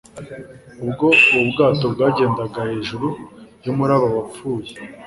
Ubwo ubu bwato bwagendaga hejuru yumuraba wapfuye